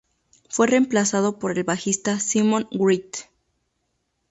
Fue reemplazado por el bajista Simon Wright.